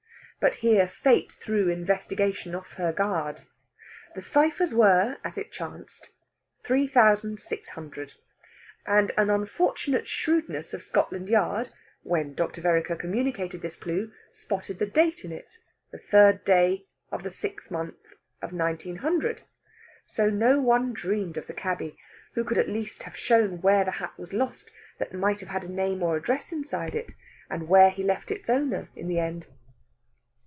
But here Fate threw investigation off her guard. The ciphers were, as it chanced, 3,600; and an unfortunate shrewdness of Scotland Yard, when Dr. Vereker communicated this clue, spotted the date in it the third day of the sixth month of 1900. So no one dreamed of the cabby, who could at least have shown where the hat was lost that might have had a name or address inside it, and where he left its owner in the end.